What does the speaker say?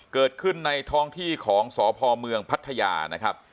เกิดขึ้นในท้องที่ของสพเมืองพัทยานะครับ